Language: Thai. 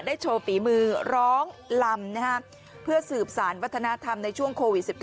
โชว์ฝีมือร้องลำเพื่อสืบสารวัฒนธรรมในช่วงโควิด๑๙